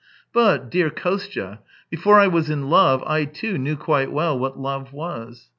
But, dear Kostya, before I was in love I, too, knew quite well what love was.